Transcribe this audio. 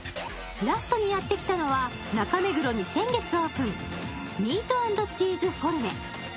ラストにやってきたのは、中目黒に先月オープン、Ｍｅａｔ＆ＣｈｅｅｓｅＦｏｒｎｅ。